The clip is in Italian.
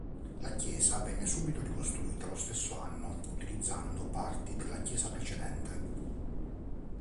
La chiesa venne subito ricostruita lo stesso anno utilizzando parti della chiesa precedente.